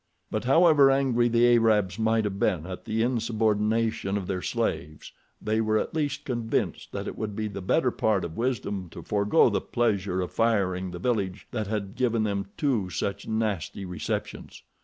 But however angry the Arabs might have been at the insubordination of their slaves, they were at least convinced that it would be the better part of wisdom to forego the pleasure of firing the village that had given them two such nasty receptions.